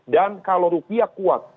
dan kalau rupiah kuat